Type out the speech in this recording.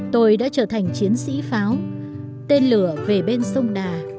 tôi đã trở thành chiến sĩ pháo tên lửa về bên sông đà